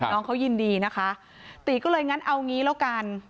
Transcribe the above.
น้องเขายินดีนะคะตีก็เลยงั้นเอางี้แล้วกัน